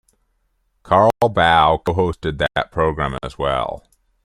Carl Baugh co-hosted that program as well.